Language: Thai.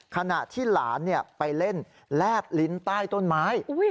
ขณะที่หลานไปเล่นแลบลิ้นใต้ต้นไม้